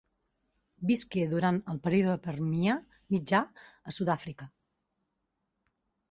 Visqué durant el període Permià mitjà a Sud-àfrica.